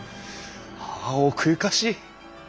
あ奥ゆかしい！